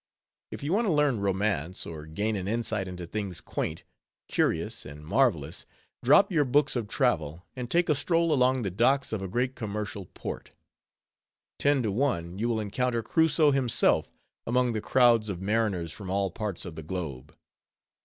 If you want to learn romance, or gain an insight into things quaint, curious, and marvelous, drop your books of travel, and take a stroll along the docks of a great commercial port. Ten to one, you will encounter Crusoe himself among the crowds of mariners from all parts of the globe.